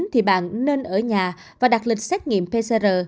thì bạn nên ở nhà và đặt lịch xét nghiệm pcr